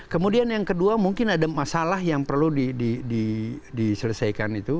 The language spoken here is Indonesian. kemudian yang kedua mungkin ada masalah yang perlu diselesaikan itu